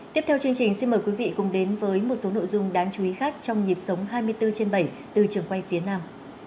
tiếp theo chương trình xin mời quý vị cùng đến với một số nội dung đáng chú ý khác trong nhịp sống hai mươi bốn trên bảy từ trường quay phía nam